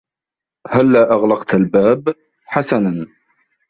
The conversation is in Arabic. " هلّا أغلقت الباب ؟"" حسنًا ".